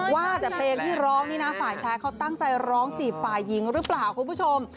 ว่าแต่เพลงที่ร้องนี่นะฝ่ายชายเขาตั้งใจร้องจีบฝ่ายหญิงหรือเปล่าคุณผู้ชม